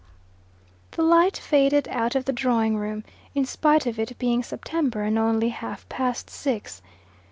The light faded out of the drawing room, in spite of it being September and only half past six.